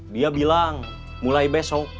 dia bilang mulai besok